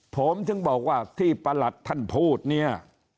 ผมถึงบอกว่าที่ประหลัดท่านพูดเนี่ย